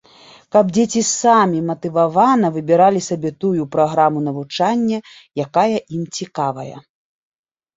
Каб дзеці самі матывавана выбіралі сабе тую праграму навучання, якая ім цікавая.